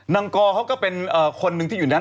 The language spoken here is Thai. กอเขาก็เป็นคนหนึ่งที่อยู่นั้น